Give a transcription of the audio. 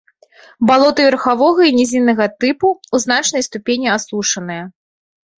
Балоты верхавога і нізіннага тыпу, у значнай ступені асушаныя.